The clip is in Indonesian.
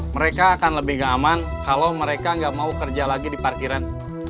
mereka akan lebih nggak aman kalau mereka nggak mau kerja lagi di parkiran